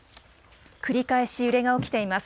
繰り返し揺れが起きています。